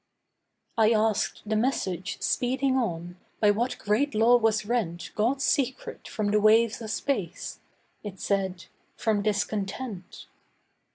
I asked the message speeding on, by what great law was rent God's secret from the waves of space. It said, 'From discontent.